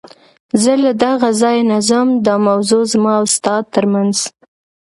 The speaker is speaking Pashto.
زه له دغه ځایه نه ځم، دا موضوع زما او ستا تر منځ.